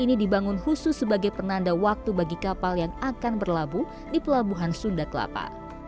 ini dibangun khusus sebagai penanda waktu bagi kapal yang akan berlabuh di pelabuhan sunda kelapa